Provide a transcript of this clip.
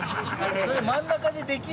それ真ん中でできる？